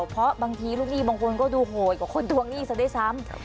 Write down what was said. เพราะบางทีลูกหนี้บางคนก็ดูโหดกว่าคนทวงหนี้ซะด้วยซ้ำ